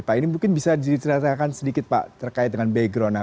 pak ini mungkin bisa diceritakan sedikit pak terkait dengan background